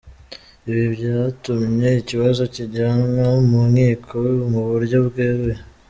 Ibi byatumye ikibazo kijyanwa mu nkiko mu buryo bweruye.